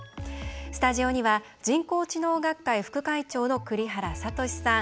スタジオには人工知能学会副会長の栗原聡さん。